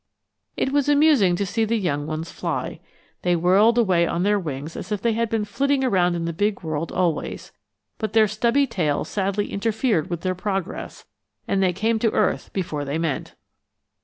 It was amusing to see the young ones fly. They whirled away on their wings as if they had been flitting around in the big world always; but their stubby tails sadly interfered with their progress, and they came to earth before they meant.